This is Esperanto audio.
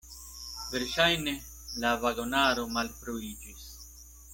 Verŝajne la vagonaro malfruiĝis.